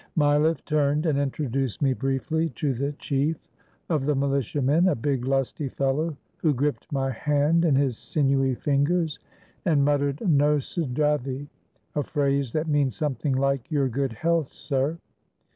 Mileff turned and introduced me briefly to the chief of the militiamen, a big, lusty fellow, who gripped my hand in his sinewy fingers, and muttered, ^' Nos dravey," a phrase that means something like "Your good health, sir."